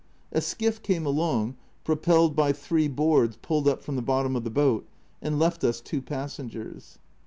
A skiff came along propelled by three boards pulled up from the bottom of the boat, and left us two passengers.